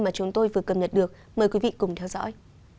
mời quý vị cùng theo dõi